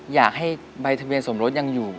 อยากให้ใบทะเบียนสมรสยังอยู่